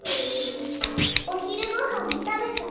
おひるごはんもたべた。